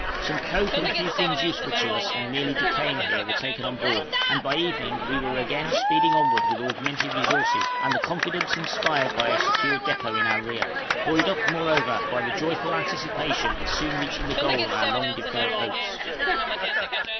Some coke and a few things useful to us and merely decaying here were taken on board, and by evening we were again speeding onward with augmented resources, and the confidence inspired by a secure depôt in our rear; buoyed up moreover by the joyful anticipation of soon reaching the goal of our long deferred hopes.